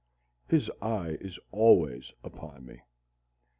_] His eye is always upon me.